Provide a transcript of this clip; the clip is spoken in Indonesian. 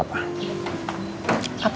mau pesen apa